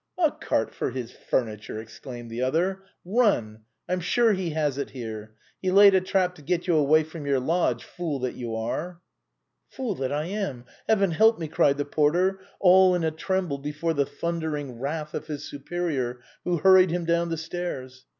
" A cart for his furniture !" exclaimed the other ;" run ! I'm sure he has it here. He laid a trap to get you away from your lodge, fool that you are !"" Fool that I am ! Heaven help rac !" cried the porter, all in a tremble before the thundering wrath of his superior, who hurried him down the stairs.